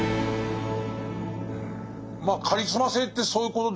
まあカリスマ性ってそういうことですよね。